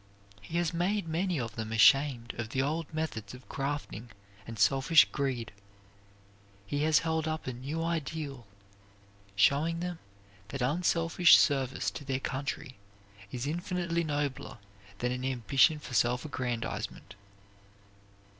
He has made many of them ashamed of the old methods of grafting and selfish greed. He has held up a new ideal, shown them that unselfish service to their country is infinitely nobler than an ambition for self aggrandizement.